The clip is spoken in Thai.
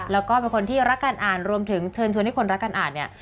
แล้วก็เป็นคนที่รักการอ่านรวมถึงเชิญชวนให้คนรักการอ่านเนี่ย